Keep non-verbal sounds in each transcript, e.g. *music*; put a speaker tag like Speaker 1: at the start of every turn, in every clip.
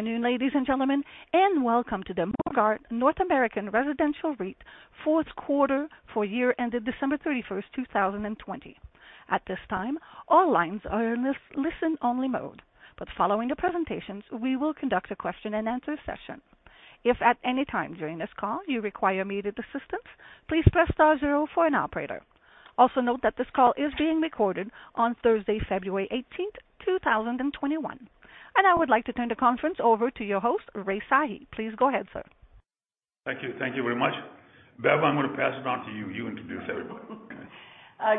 Speaker 1: Good afternoon, ladies and gentlemen, and welcome to the Morguard North American Residential REIT Fourth Quarter for year ended December 31st, 2020. At this time, all lines are in this listen only mode. But following the presentations, we will conduct a question and answer session. If at any time during this call you require immediate assistance, please press star zero for an operator. Also note that this call is being recorded on Thursday, February 18th, 2021. I would like to turn the conference over to your host, Rai Sahi. Please go ahead, sir.
Speaker 2: Thank you. Thank you very much. Bev, I'm going to pass it on to you. You introduce everybody.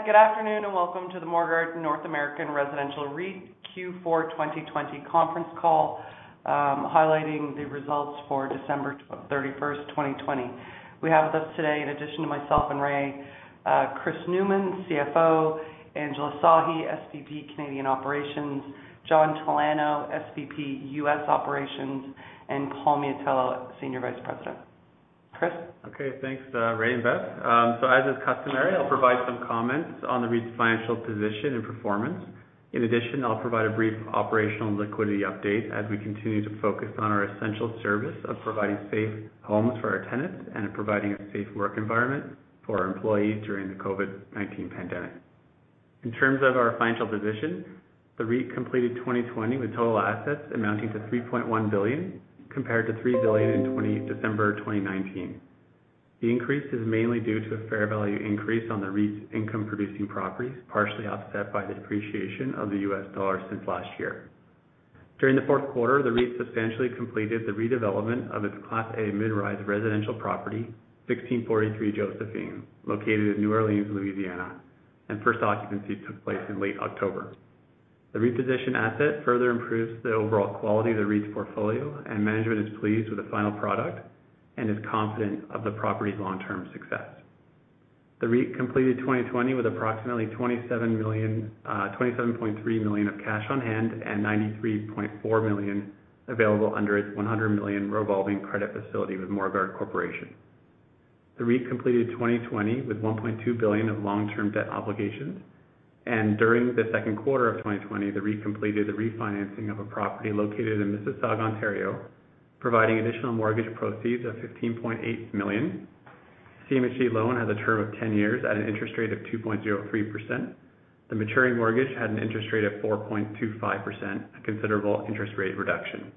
Speaker 3: Good afternoon, and welcome to the Morguard North American Residential REIT Q4 2020 conference call, highlighting the results for December 31st, 2020. We have with us today, in addition to myself and Rai, Chris Newman, CFO, Angela Sahi, SVP Canadian Operations, John Talano, SVP US Operations, and Paul Miatello, Senior Vice President. Chris?
Speaker 4: Okay, thanks Rai and Bev. As is customary, I'll provide some comments on the REIT's financial position and performance. In addition, I'll provide a brief operational and liquidity update as we continue to focus on our essential service of providing safe homes for our tenants and providing a safe work environment for our employees during the COVID-19 pandemic. In terms of our financial position, the REIT completed 2020 with total assets amounting to 3.1 billion, compared to 3 billion in December 2019. The increase is mainly due to a fair value increase on the REIT's income-producing properties, partially offset by the depreciation of the U.S. dollar since last year. During the fourth quarter, the REIT substantially completed the redevelopment of its Class A mid-rise residential property, 1,643 Josephine, located in New Orleans, Louisiana, and first occupancy took place in late October. The repositioned asset further improves the overall quality of the REIT's portfolio, and management is pleased with the final product and is confident of the property's long-term success. The REIT completed 2020 with approximately 27.3 million of cash on hand and 93.4 million available under its 100 million revolving credit facility with Morguard Corporation. The REIT completed 2020 with 1.2 billion of long-term debt obligations, and during the second quarter of 2020, the REIT completed the refinancing of a property located in Mississauga, Ontario, providing additional mortgage proceeds of 15.8 million. CMHC loan has a term of 10 years at an interest rate of 2.03%. The maturing mortgage had an interest rate of 4.25%, a considerable interest rate reduction.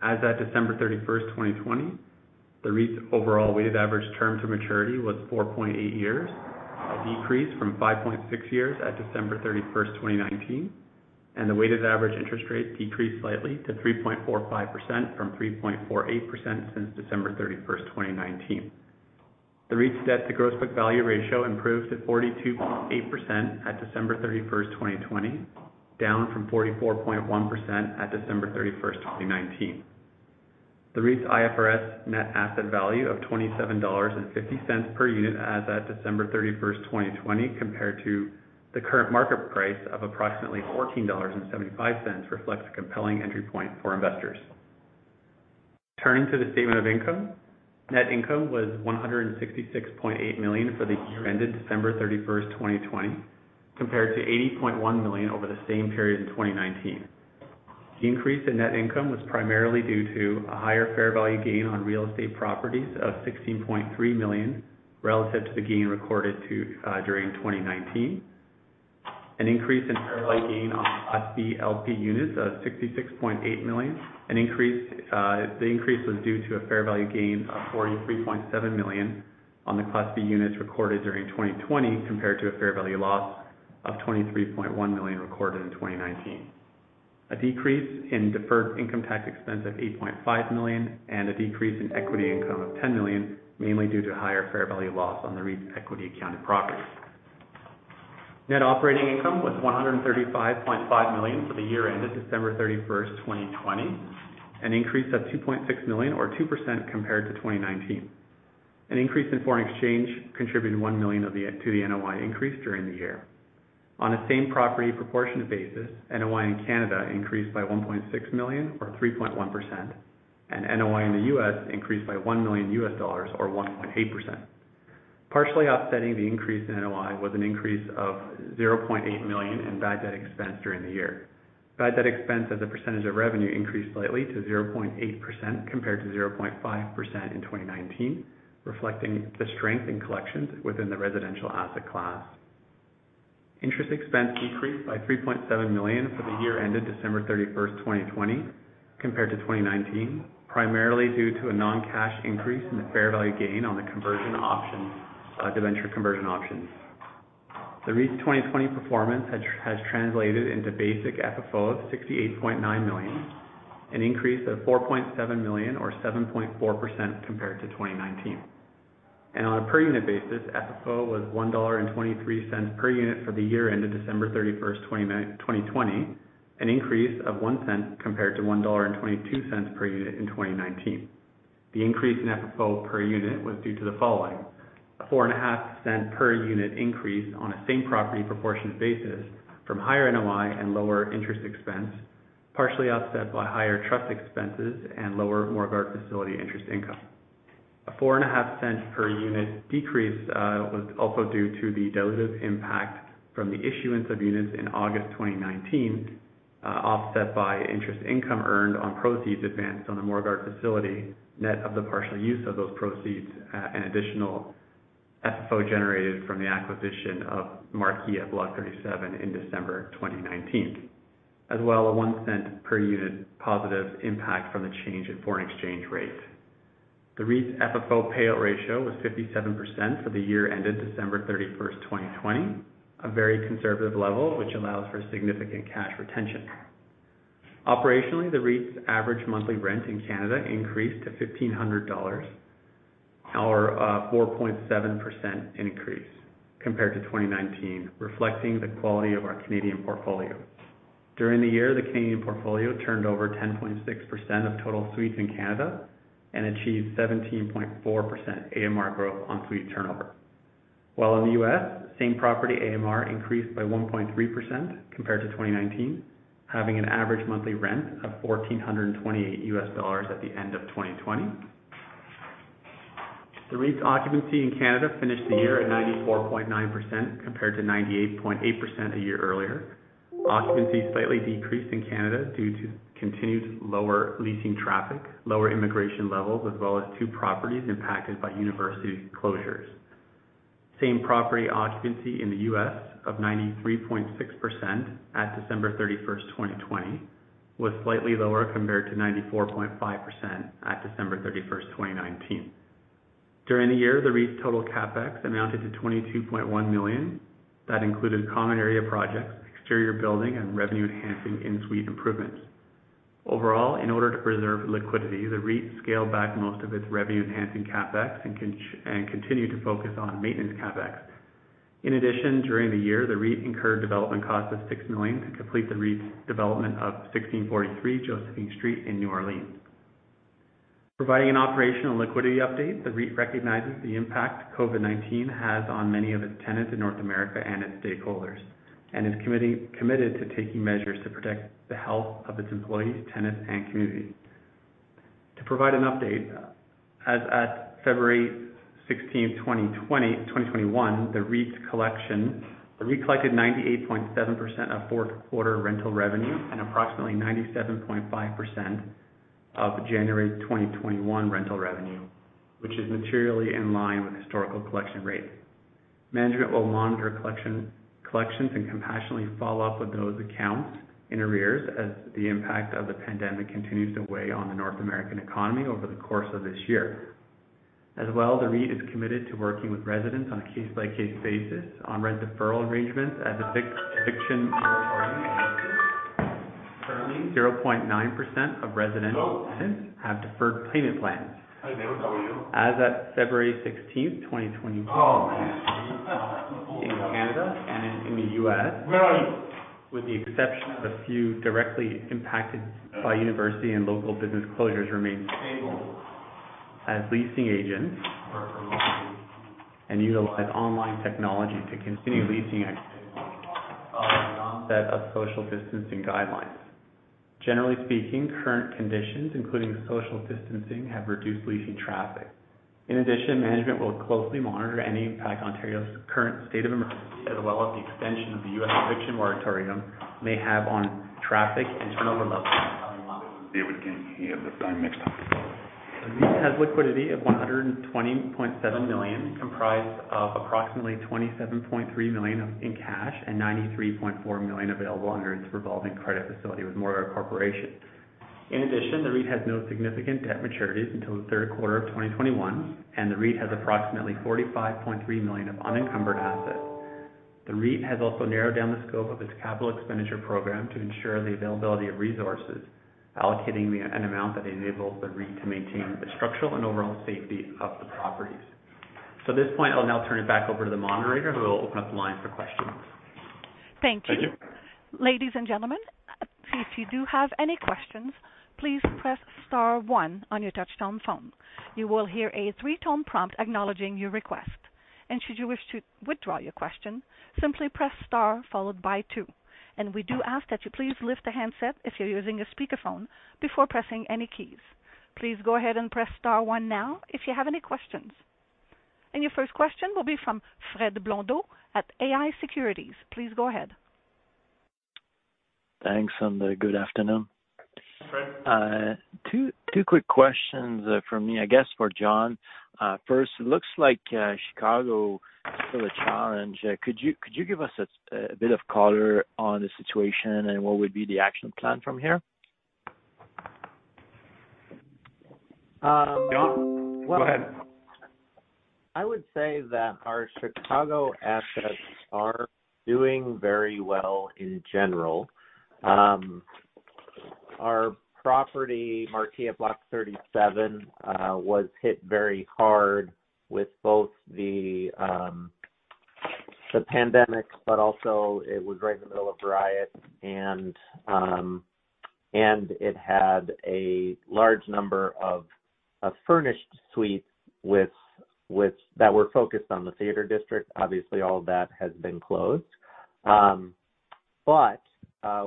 Speaker 4: As at December 31st, 2020, the REIT's overall weighted average term to maturity was 4.8 years, a decrease from 5.6 years at December 31st, 2019, and the weighted average interest rate decreased slightly to 3.45% from 3.48% since December 31st, 2019. The REIT's debt-to-gross book value ratio improved to 42.8% at December 31st, 2020, down from 44.1% at December 31st, 2019. The REIT's IFRS net asset value of 27.50 dollars per unit as at December 31st, 2020, compared to the current market price of approximately 14.75 dollars, reflects a compelling entry point for investors. Turning to the statement of income, net income was 166.8 million for the year ended December 31st, 2020, compared to 80.1 million over the same period in 2019. The increase in net income was primarily due to a higher fair value gain on real estate properties of 16.3 million relative to the gain recorded during 2019. An increase in fair value gain on Class B LP units of 66.8 million. The increase was due to a fair value gain of 43.7 million on the Class B units recorded during 2020 compared to a fair value loss of 23.1 million recorded in 2019. A decrease in deferred income tax expense of 8.5 million and a decrease in equity income of 10 million, mainly due to higher fair value loss on the REIT's equity accounted properties. Net operating income was 135.5 million for the year ended December 31st, 2020, an increase of 2.6 million or 2% compared to 2019. An increase in foreign exchange contributed 1 million to the NOI increase during the year. On a same property proportion basis, NOI in Canada increased by 1.6 million or 3.1%, and NOI in the U.S. increased by $1 million U.S. or 1.8%. Partially offsetting the increase in NOI was an increase of 0.8 million in bad debt expense during the year. Bad debt expense as a percentage of revenue increased slightly to 0.8% compared to 0.5% in 2019, reflecting the strength in collections within the residential asset class. Interest expense increased by 3.7 million for the year ended December 31st, 2020 compared to 2019, primarily due to a non-cash increase in the fair value gain on the debenture conversion options. The REIT's 2020 performance has translated into basic FFO of 68.9 million, an increase of 4.7 million or 7.4% compared to 2019. On a per unit basis, FFO was 1.23 dollar per unit for the year ended December 31st, 2020, an increase of 0.01 compared to 1.22 dollar per unit in 2019. The increase in FFO per unit was due to the following: a 0.045 per unit increase on a same property proportion basis from higher NOI and lower interest expense, partially offset by higher trust expenses and lower Morguard facility interest income. A 0.045 per unit decrease was also due to the dilutive impact from the issuance of units in August 2019, offset by interest income earned on proceeds advanced on the Morguard facility, net of the partial use of those proceeds and additional FFO generated from the acquisition of Marquee at Block 37 in December 2019. As well, a 0.01 per unit positive impact from the change in foreign exchange rate. The REIT's FFO payout ratio was 57% for the year ended December 31st, 2020, a very conservative level, which allows for significant cash retention. Operationally, the REIT's average monthly rent in Canada increased to 1,500 dollars, or a 4.7% increase compared to 2019, reflecting the quality of our Canadian portfolio. During the year, the Canadian portfolio turned over 10.6% of total suites in Canada and achieved 17.4% AMR growth on suite turnover, while in the U.S., same property AMR increased by 1.3% compared to 2019, having an average monthly rent of $1,428 at the end of 2020. The REIT's occupancy in Canada finished the year at 94.9% compared to 98.8% a year earlier. Occupancy slightly decreased in Canada due to continued lower leasing traffic, lower immigration levels, as well as two properties impacted by university closures. Same property occupancy in the U.S. of 93.6% at December 31st, 2020, was slightly lower compared to 94.5% at December 31st, 2019. During the year, the REIT's total CapEx amounted to 22.1 million. That included common area projects, exterior building, and revenue-enhancing in-suite improvements. Overall, in order to preserve liquidity, the REIT scaled back most of its revenue-enhancing CapEx and continued to focus on maintenance CapEx. In addition, during the year, the REIT incurred development costs of 6 million to complete the REIT's development of 1643 Josephine Street in New Orleans. Providing an operational liquidity update, the REIT recognizes the impact COVID-19 has on many of its tenants in North America and its stakeholders, and is committed to taking measures to protect the health of its employees, tenants, and communities. To provide an update, as at February 16th, 2021, the REIT collected 98.7% of fourth quarter rental revenue and approximately 97.5% of January 2021 rental revenue, which is materially in line with historical collection rates. Management will monitor collections and compassionately follow up with those accounts in arrears as the impact of the pandemic continues to weigh on the North American economy over the course of this year. The REIT is committed to working with residents on a case-by-case basis on rent deferral arrangements as eviction *audio distortion* 0.9% of residential tenants have deferred payment plans. As at February 16th, 2021, in Canada and in the U.S. with the exception of a few directly impacted by university and local business closures remain stable as leasing agents and util— online technology to continue leasing *audio distortion* social distancing guidelines. Generally speaking, current conditions, including social distancing, have reduced leasing traffic. In addition, management will closely monitor any impact Ontario's current state of emergency, as well as the extension of the U.S. eviction moratorium may have on traffic and turnover. *audio distortion* The REIT has liquidity of 120.7 million, comprised of approximately 27.3 million in cash and 93.4 million available under its revolving credit facility with Morguard Corporation. In addition, the REIT has no significant debt maturities until the third quarter of 2021, and the REIT has approximately 45.3 million of unencumbered assets. The REIT has also narrowed down the scope of its capital expenditure program to ensure the availability of resources, allocating an amount that enables the REIT to maintain the structural and overall safety of the properties. At this point, I'll now turn it back over to the moderator, who will open up the line for questions.
Speaker 1: Thank you.
Speaker 4: Thank you.
Speaker 1: Ladies and gentlemen, if you do have any questions, please press star one on your touchtone phone. You will hear a three-tone prompt acknowledging your request. Should you wish to withdraw your question, simply press star followed by two. We do ask that you please lift the handset if you're using a speakerphone before pressing any keys. Please go ahead and press star one now if you have any questions. Your first question will be from Fred Blondeau at iA Securities. Please go ahead.
Speaker 5: Thanks, and good afternoon.
Speaker 2: Fred.
Speaker 5: Two quick questions from me, I guess for John first. It looks like Chicago is still a challenge. Could you give us a bit of color on the situation, and what would be the action plan from here?
Speaker 2: John, go ahead.
Speaker 6: I would say that our Chicago assets are doing very well in general. Our property, Marquee at Block 37, was hit very hard with both the pandemic, but also it was right in the middle of riot, and it had a large number of furnished suites that were focused on the theater district. Obviously, all of that has been closed.
Speaker 5: Okay.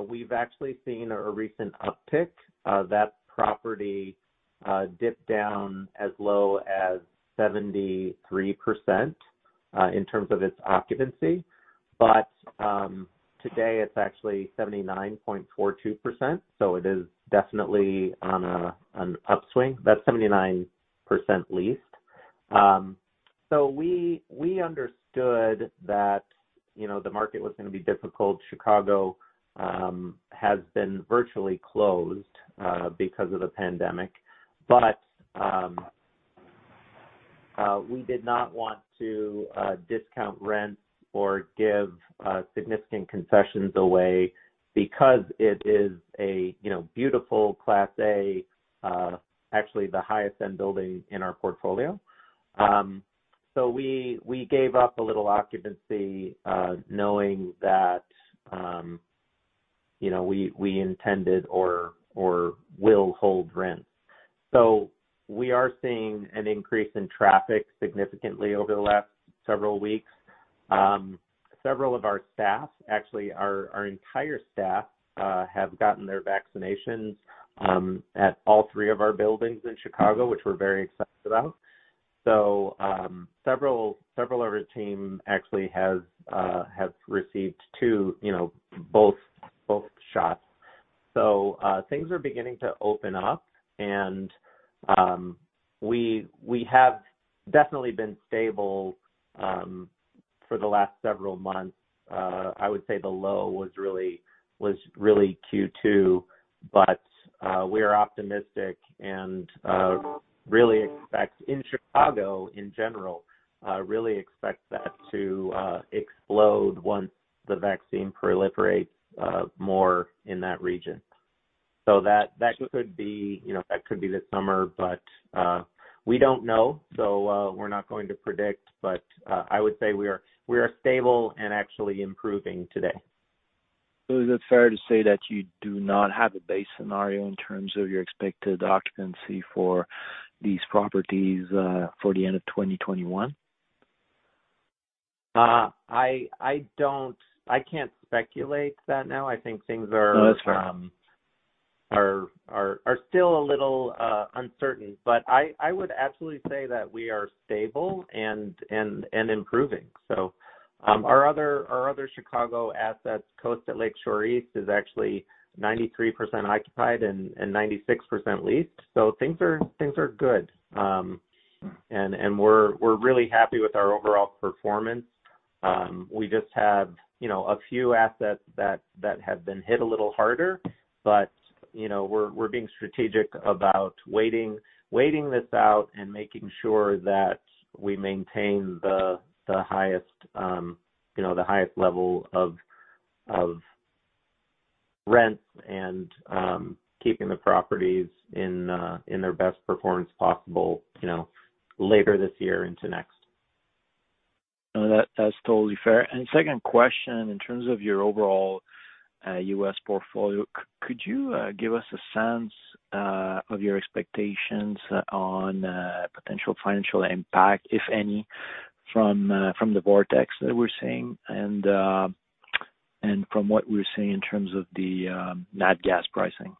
Speaker 6: We've actually seen a recent uptick. That property dipped down as low as 73% in terms of its occupancy. Today it's actually 79.42%, so it is definitely on an upswing. That's 79% leased. We understood that the market was going to be difficult. Chicago has been virtually closed because of the pandemic. We did not want to discount rents or give significant concessions away because it is a beautiful Class A, actually the highest end building in our portfolio. We gave up a little occupancy, knowing that we intended, or will hold rents. We are seeing an increase in traffic significantly over the last several weeks. Several of our staff, actually, our entire staff, have gotten their vaccinations at all three of our buildings in Chicago, which we're very excited about. Several of our team actually have received two, both shots. Things are beginning to open up, and we have definitely been stable for the last several months. I would say the low was really Q2. We are optimistic and really expect, in Chicago in general, really expect that to explode once the vaccine proliferates more in that region. That could be this summer, but we don't know, so we're not going to predict. I would say we are stable and actually improving today.
Speaker 5: Is it fair to say that you do not have a base scenario in terms of your expected occupancy for these properties for the end of 2021?
Speaker 6: I can't speculate that now. I think things are—
Speaker 5: No, that's fair.
Speaker 6: are still a little uncertain. I would absolutely say that we are stable and improving. Our other Chicago assets, Coast at Lakeshore East, is actually 93% occupied and 96% leased. Things are good. We're really happy with our overall performance. We just have a few assets that have been hit a little harder. We're being strategic about waiting this out and making sure that we maintain the highest level of rents and keeping the properties in their best performance possible later this year into next.
Speaker 5: No, that's totally fair. Second question, in terms of your overall U.S. portfolio, could you give us a sense of your expectations on potential financial impact, if any, from the vortex that we're seeing and from what we're seeing in terms of the natural gas pricing?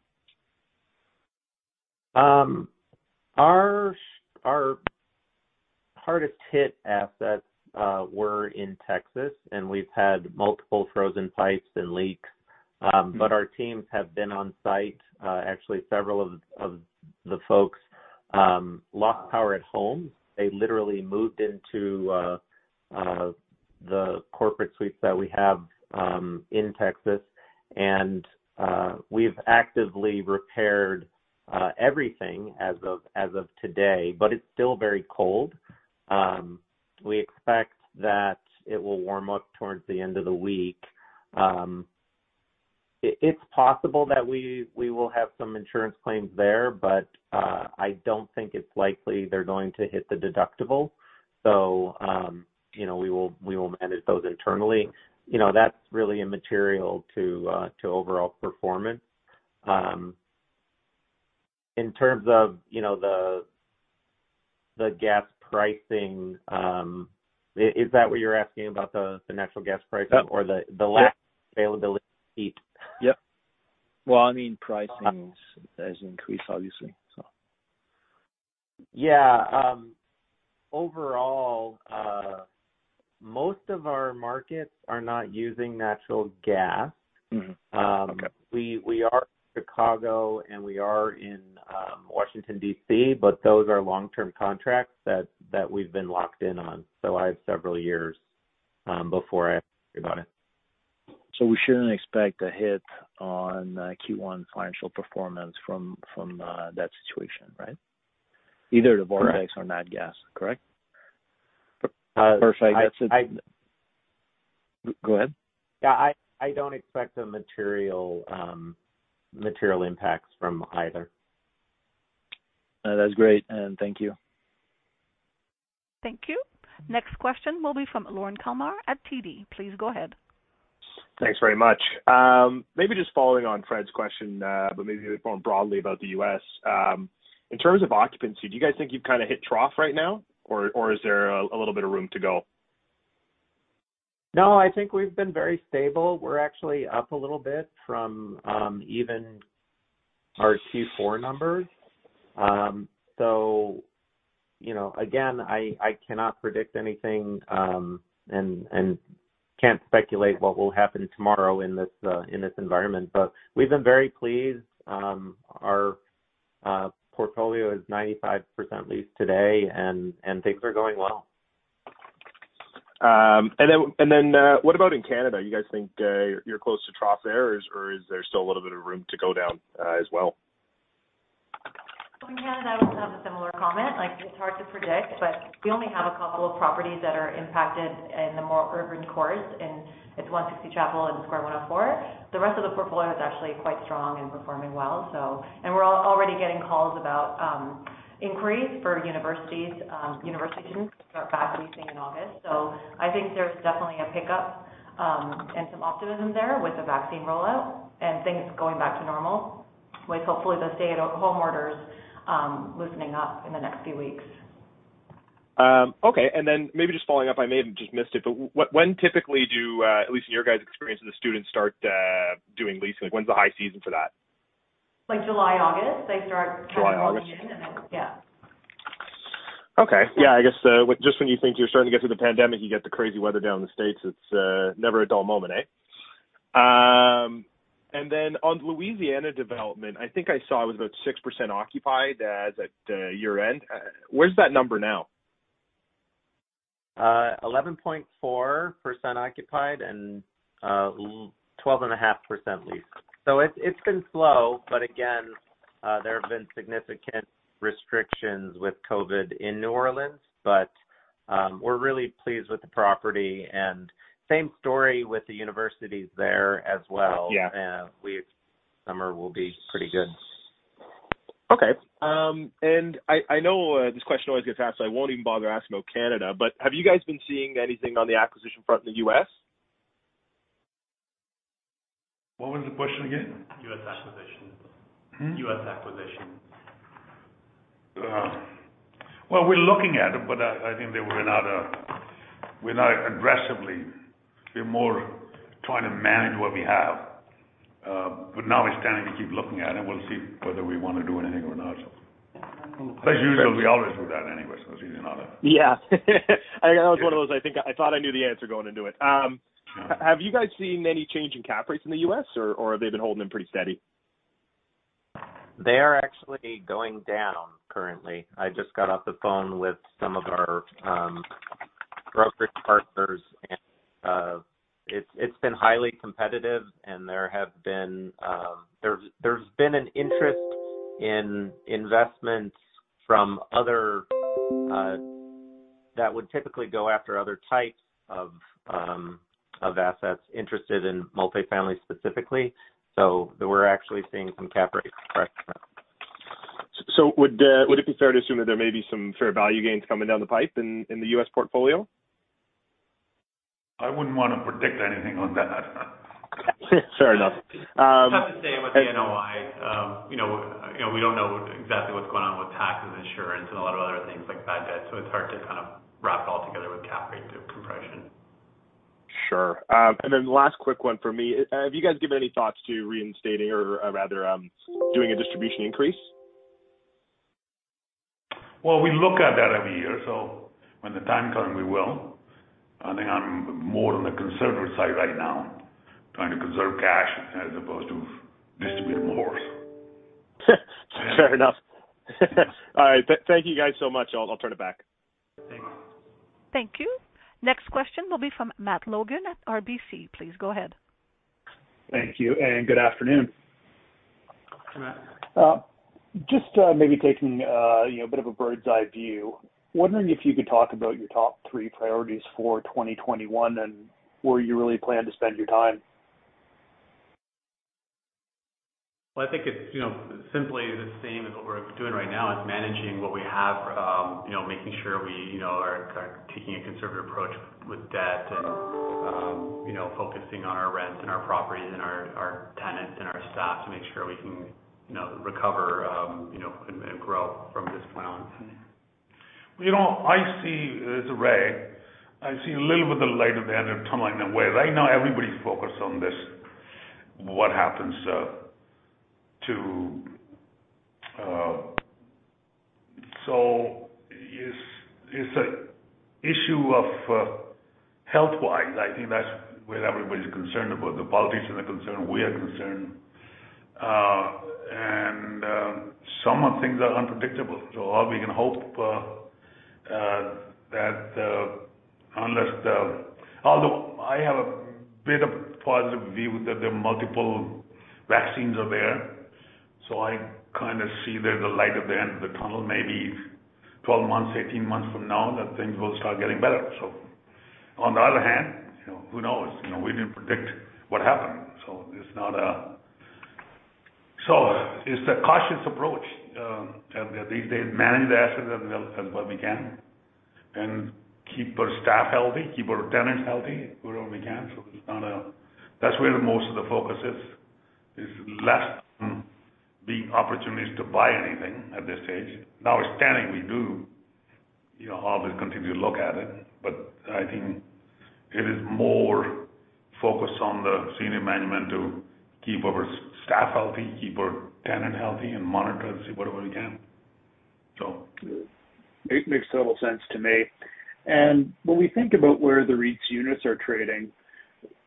Speaker 6: Our hardest hit assets were in Texas, and we've had multiple frozen pipes and leaks. Our teams have been on site. Actually, several of the folks lost power at home. They literally moved into the corporate suites that we have in Texas, and we've actively repaired everything as of today. It's still very cold. We expect that it will warm up towards the end of the week. It's possible that we will have some insurance claims there, but I don't think it's likely they're going to hit the deductible. We will manage those internally. That's really immaterial to overall performance. In terms of the gas pricing, is that what you're asking about, the natural gas pricing or the lack of availability of heat?
Speaker 5: Yep. Well, I mean pricing has increased obviously.
Speaker 6: Yeah. Overall, most of our markets are not using natural gas.
Speaker 5: Mm-hmm. Okay.
Speaker 6: We are in Chicago, and we are in Washington, D.C., but those are long-term contracts that we've been locked in on. I have several years before I have to worry about it.
Speaker 5: Got it. We shouldn't expect a hit on Q1 financial performance from that situation, right? Either the vortex or natural gas, correct?
Speaker 6: I-
Speaker 5: Go ahead.
Speaker 6: Yeah, I don't expect material impacts from either.
Speaker 5: No, that's great, and thank you.
Speaker 1: Thank you. Next question will be from Lorne Kalmar at TD. Please go ahead.
Speaker 7: Thanks very much. Maybe just following on Fred's question, but maybe a bit more broadly about the U.S. In terms of occupancy, do you guys think you've kind of hit trough right now? Or is there a little bit of room to go?
Speaker 6: I think we've been very stable. We're actually up a little bit from even our Q4 numbers. Again, I cannot predict anything, and can't speculate what will happen tomorrow in this environment. We've been very pleased. Our portfolio is 95% leased today, and things are going well.
Speaker 7: What about in Canada? You guys think you're close to trough there, or is there still a little bit of room to go down as well?
Speaker 8: In Canada, I would have a similar comment. It's hard to predict, but we only have a couple of properties that are impacted in the more urban cores, and it's 160 Chapel and Square 104. The rest of the portfolio is actually quite strong and performing well. We're already getting calls about inquiries for university students to start back leasing in August. I think there's definitely a pickup and some optimism there with the vaccine rollout and things going back to normal. Hopefully the stay-at-home orders loosening up in the next few weeks.
Speaker 7: Okay. Maybe just following up, I may have just missed it, but when typically do, at least in your guys' experience, the students start doing leasing? When's the high season for that?
Speaker 8: July, August, they start kind of moving in.
Speaker 7: July, August?
Speaker 8: Yeah.
Speaker 7: Okay. Yeah, I guess just when you think you're starting to get through the pandemic, you get the crazy weather down in the States. It's never a dull moment, eh? Then on Louisiana development, I think I saw it was about 6% occupied as at year-end. Where's that number now?
Speaker 6: 11.4% occupied and 12.5% leased. It's been slow, but again, there have been significant restrictions with COVID in New Orleans. We're really pleased with the property. Same story with the universities there as well.
Speaker 7: Yeah.
Speaker 6: We expect summer will be pretty good.
Speaker 7: Okay. I know this question always gets asked, so I won't even bother asking about Canada, but have you guys been seeing anything on the acquisition front in the U.S.?
Speaker 2: What was the question again?
Speaker 4: U.S. acquisition.
Speaker 2: Hmm?
Speaker 4: U.S. acquisition.
Speaker 2: We're looking at it, but I think that we're not aggressively. We're more trying to manage what we have. Now we're starting to keep looking at it. We'll see whether we want to do anything or not. As usual, we always do that anyway.
Speaker 7: Yeah. That was one of those, I thought I knew the answer going into it.
Speaker 2: Yeah.
Speaker 7: Have you guys seen any change in cap rates in the U.S., or have they been holding pretty steady?
Speaker 6: They are actually going down currently. I just got off the phone with some of our brokerage partners. It's been highly competitive and there's been an interest in investments That would typically go after other types of assets interested in multifamily specifically. We're actually seeing some cap rate compression.
Speaker 7: Would it be fair to assume that there may be some fair value gains coming down the pipe in the U.S. portfolio?
Speaker 2: I wouldn't want to predict anything on that.
Speaker 7: Fair enough.
Speaker 4: It's hard to say with the NOI. We don't know exactly what's going on with taxes, insurance, and a lot of other things like that. It's hard to kind of wrap all together with cap rate compression.
Speaker 7: Sure. The last quick one from me. Have you guys given any thoughts to reinstating or rather doing a distribution increase?
Speaker 2: Well, we look at that every year, so when the time comes, we will. I think I'm more on the conservative side right now, trying to conserve cash as opposed to distribute more.
Speaker 7: Fair enough. All right. Thank you guys so much. I'll turn it back.
Speaker 2: Thanks.
Speaker 1: Thank you. Next question will be from Matt Logan at RBC. Please go ahead.
Speaker 9: Thank you, good afternoon.
Speaker 4: Hi, Matt.
Speaker 9: Just maybe taking a bit of a bird's eye view. Wondering if you could talk about your top three priorities for 2021 and where you really plan to spend your time.
Speaker 4: I think it's simply the same as what we're doing right now, is managing what we have. Making sure we are taking a conservative approach with debt and focusing on our rents and our properties and our tenants and our staff to make sure we can recover and grow from this point on.
Speaker 2: Well, I see it as Rai. I see a little bit of light at the end of the tunnel in a way. Right now everybody's focused on this, it's a issue of health-wise. I think that's what everybody's concerned about. The politicians are concerned, we are concerned. Some of things are unpredictable. All we can hope for, that Although I have a bit of positive view that the multiple vaccines are there. I kind of see there's a light at the end of the tunnel, maybe 12 months, 18 months from now, that things will start getting better. On the other hand, who knows? We didn't predict what happened. It's a cautious approach. These days, manage the assets as well we can. Keep our staff healthy, keep our tenants healthy if we only can. That's where the most of the focus is. It's less on the opportunities to buy anything at this stage. Notwithstanding, we do always continue to look at it, but I think it is more focused on the senior management to keep our staff healthy, keep our tenant healthy, and monitor and see what we can.
Speaker 9: It makes total sense to me. When we think about where the REIT's units are trading,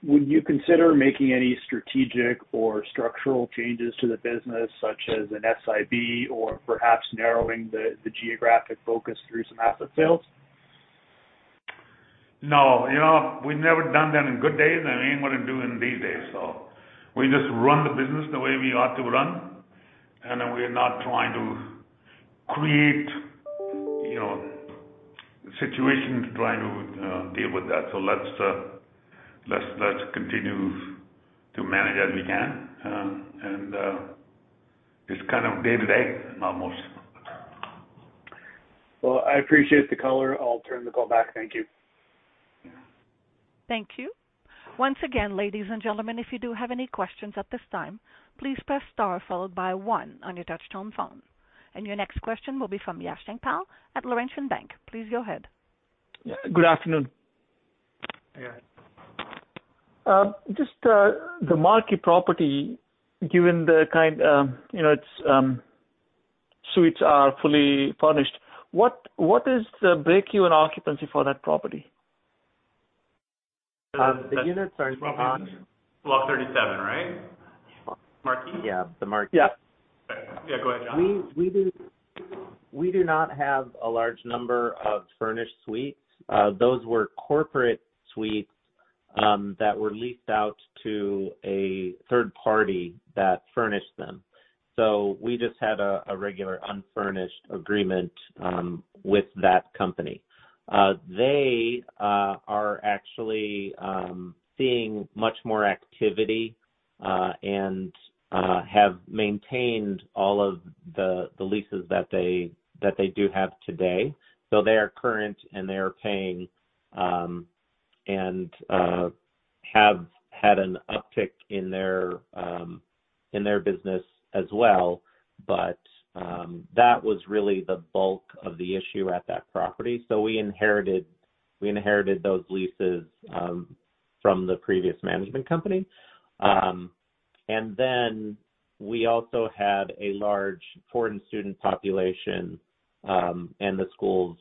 Speaker 9: would you consider making any strategic or structural changes to the business, such as an SIB or perhaps narrowing the geographic focus through some asset sales?
Speaker 2: No. We've never done that in good days and ain't going to do in these days. We just run the business the way we ought to run, and then we're not trying to create situations trying to deal with that. Let's continue to manage as we can. It's kind of day to day almost.
Speaker 9: Well, I appreciate the color. I'll turn the call back. Thank you.
Speaker 1: Thank you. Once again, ladies and gentlemen, if you do have any questions at this time, please press star followed by one on your touchtone phone. Your next question will be from Yash Sankpal at Laurentian Bank. Please go ahead.
Speaker 10: Yeah. Good afternoon.
Speaker 2: Go ahead.
Speaker 10: Just the Marquee property, given the kind, its suites are fully furnished. What is the breakeven occupancy for that property?
Speaker 6: The units are on-
Speaker 2: Block 37, right? Marquee?
Speaker 6: Yeah, the Marquee.
Speaker 2: Yeah. Go ahead, John.
Speaker 6: We do not have a large number of furnished suites. Those were corporate suites that were leased out to a third party that furnished them. We just had a regular unfurnished agreement with that company. They are actually seeing much more activity and have maintained all of the leases that they do have today. They are current, and they are paying and have had an uptick in their business as well. That was really the bulk of the issue at that property. We inherited those leases from the previous management company. We also had a large foreign student population, and the schools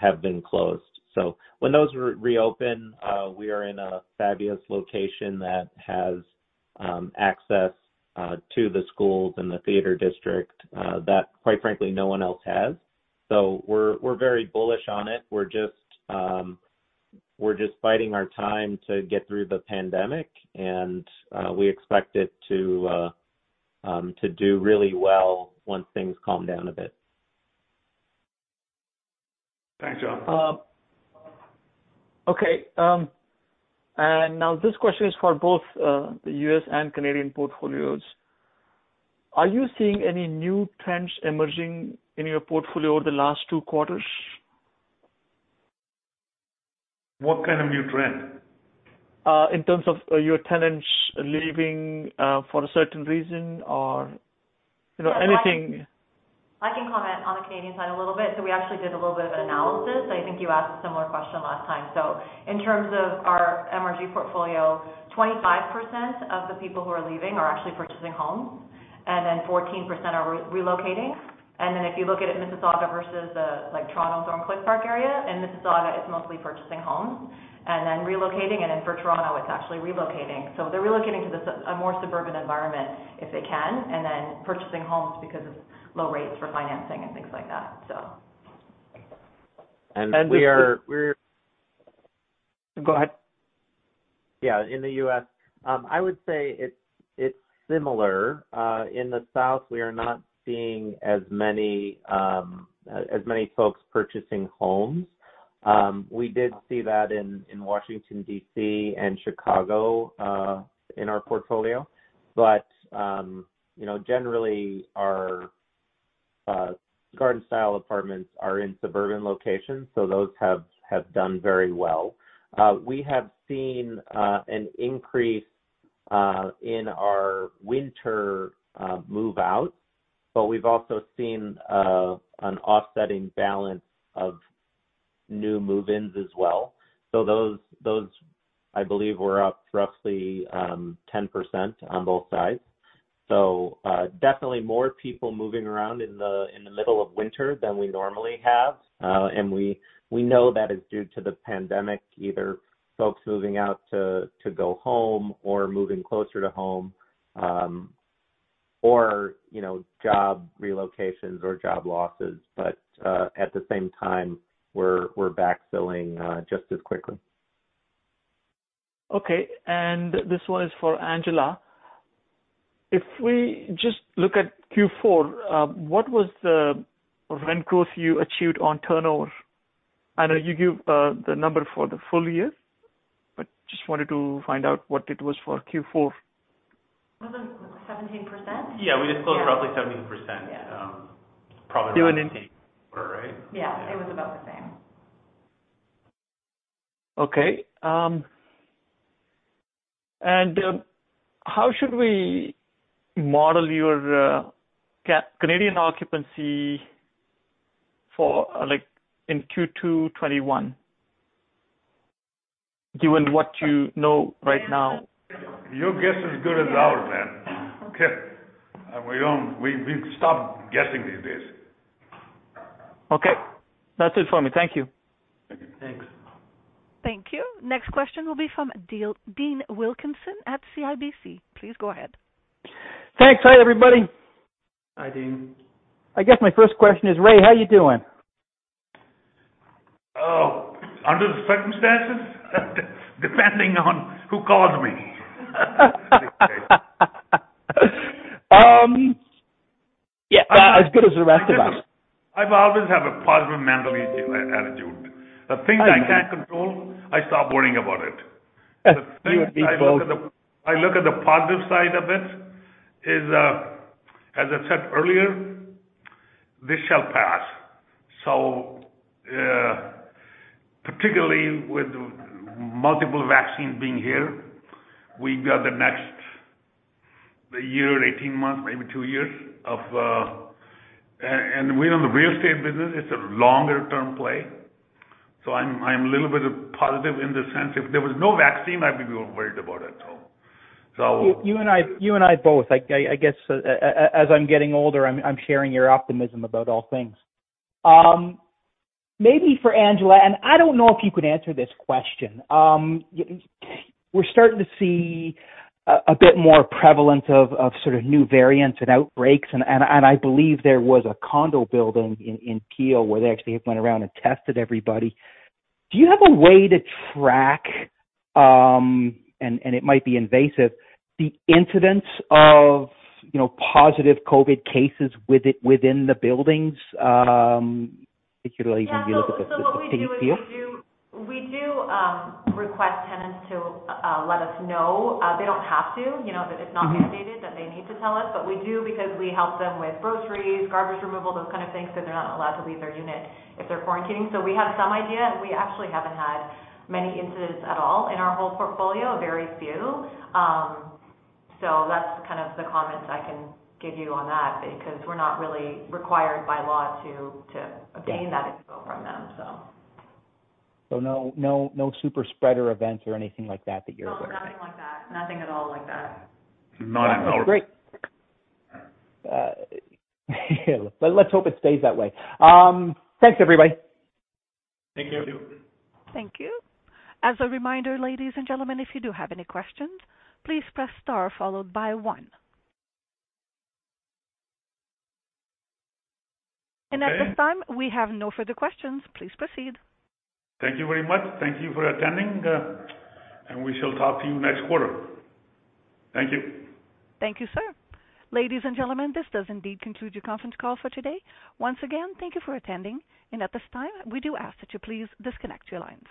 Speaker 6: have been closed. When those reopen, we are in a fabulous location that has access to the schools and the theater district that, quite frankly, no one else has. We're very bullish on it. We're just biding our time to get through the pandemic, and we expect it to do really well once things calm down a bit.
Speaker 2: Thanks, John.
Speaker 10: Okay. Now this question is for both the U.S. and Canadian portfolios. Are you seeing any new trends emerging in your portfolio over the last two quarters?
Speaker 2: What kind of new trend?
Speaker 10: In terms of your tenants leaving for a certain reason or anything.
Speaker 8: I can comment on the Canadian side a little bit. We actually did a little bit of an analysis. I think you asked a similar question last time. In terms of our MRG portfolio, 25% of the people who are leaving are actually purchasing homes, and then 14% are relocating. If you look at Mississauga versus the Toronto, Thorncliffe Park area, in Mississauga, it's mostly purchasing homes and then relocating. For Toronto, it's actually relocating. They're relocating to a more suburban environment if they can, and then purchasing homes because of low rates for financing and things like that.
Speaker 6: We are-
Speaker 10: Go ahead.
Speaker 6: Yeah, in the U.S., I would say it's similar. In the South, we are not seeing as many folks purchasing homes. We did see that in Washington, D.C., and Chicago in our portfolio. Generally, our garden-style apartments are in suburban locations, so those have done very well. We have seen an increase in our winter move-outs, but we've also seen an offsetting balance of new move-ins as well. Those, I believe, were up roughly 10% on both sides. Definitely more people moving around in the middle of winter than we normally have. We know that is due to the pandemic, either folks moving out to go home or moving closer to home or job relocations or job losses. At the same time, we're backfilling just as quickly.
Speaker 10: Okay. This one is for Angela. If we just look at Q4, what was the rent growth you achieved on turnover? I know you give the number for the full year, just wanted to find out what it was for Q4.
Speaker 8: Wasn't it 17%?
Speaker 4: Yeah. We just closed roughly 17%.
Speaker 8: Yeah.
Speaker 4: Probably about the same quarter, right?
Speaker 8: Yeah. It was about the same.
Speaker 10: Okay. How should we model your Canadian occupancy in Q2 2021, given what you know right now?
Speaker 2: Your guess is as good as ours, man.
Speaker 10: Okay.
Speaker 2: We've stopped guessing these days.
Speaker 10: Okay. That's it for me. Thank you.
Speaker 2: Thank you.
Speaker 4: Thanks.
Speaker 1: Thank you. Next question will be from Dean Wilkinson at CIBC. Please go ahead.
Speaker 11: Thanks. Hi, everybody.
Speaker 4: Hi, Dean.
Speaker 11: I guess my first question is, Rai, how are you doing?
Speaker 2: Under the circumstances? Depending on who called me.
Speaker 11: Yeah. As good as the rest of us.
Speaker 2: I've always had a positive mental attitude. The things I can't control, I stop worrying about it.
Speaker 11: You and me both.
Speaker 2: I look at the positive side of it. As I said earlier, this shall pass. Particularly with multiple vaccines being here, we got the next year, 18 months, maybe two years. We're in the real estate business, it's a longer-term play. I'm a little bit positive in the sense, if there was no vaccine, I'd be worried about it.
Speaker 11: You and I both. I guess as I'm getting older, I'm sharing your optimism about all things. Maybe for Angela, and I don't know if you can answer this question. We're starting to see a bit more prevalence of sort of new variants and outbreaks, and I believe there was a condo building in Peel where they actually went around and tested everybody. Do you have a way to track, and it might be invasive, the incidence of positive COVID cases within the buildings, particularly within the? *audio distortion*
Speaker 8: What we do is we do request tenants to let us know. They don't have to. It's not mandated that they need to tell us, but we do because we help them with groceries, garbage removal, those kind of things, because they're not allowed to leave their unit if they're quarantining. We have some idea, and we actually haven't had many incidents at all in our whole portfolio. Very few. That's kind of the comments I can give you on that, because we're not really required by law to obtain that info from them.
Speaker 11: No super spreader events or anything like that you're aware of?
Speaker 8: No, nothing like that. Nothing at all like that.
Speaker 2: Not at all.
Speaker 11: Great. Let's hope it stays that way. Thanks, everybody.
Speaker 4: Thank you.
Speaker 2: Thank you.
Speaker 1: Thank you. As a reminder, ladies and gentlemen, if you do have any questions, please press star followed by one. At this time, we have no further questions. Please proceed.
Speaker 2: Thank you very much. Thank you for attending, and we shall talk to you next quarter. Thank you.
Speaker 1: Thank you, sir. Ladies and gentlemen, this does indeed conclude your conference call for today. Once again, thank you for attending. At this time, we do ask that you please disconnect your lines.